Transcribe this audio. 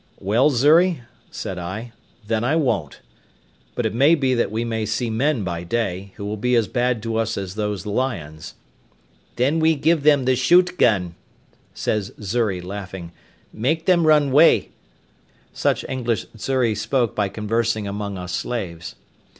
"Well, Xury," said I, "then I won't; but it may be that we may see men by day, who will be as bad to us as those lions." "Then we give them the shoot gun," says Xury, laughing, "make them run wey." Such English Xury spoke by conversing among us slaves.